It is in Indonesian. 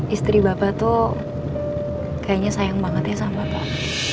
istri bapak tuh kayaknya sayang banget ya sama pak